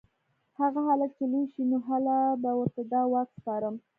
هغه هلک چې لوی شي نو هله به ورته دا واک سپارم